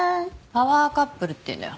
パワーカップルっていうのよ